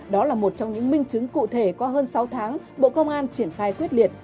đó là một trong những minh chứng cụ thể qua hơn sáu tháng bộ công an triển khai quyết liệt